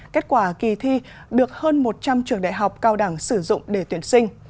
kết quả kỳ thi được hơn một trăm linh trường đại học cao đẳng sử dụng để tuyển sinh